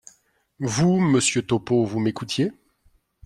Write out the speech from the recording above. Vous, monsieur Topeau, vous m’écoutiez ?